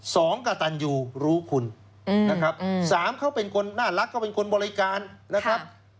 กระตันยูรู้คุณนะครับอืมสามเขาเป็นคนน่ารักเขาเป็นคนบริการนะครับ